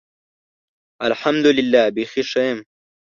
الحمدالله. بیخي ښۀ یم.